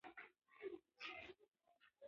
د ناول سرچینې د بیلابیلو کلتورونو ترکیب دی.